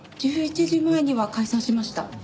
１１時前には解散しました。